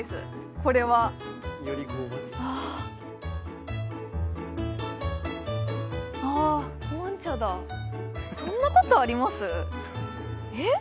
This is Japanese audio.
これはああっコーン茶だそんなことあります？えっ？